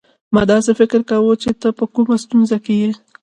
ما داسي فکر کاوه چي ته په کومه ستونزه کې يې.